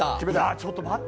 ちょっと待って。